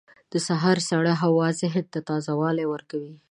• د سهار سړه هوا ذهن ته تازه والی ورکوي.